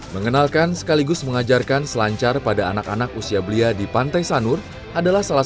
mengenalkan sekaligus mengajarkan selancar pada anak anak usia belia di pantai sanur adalah salah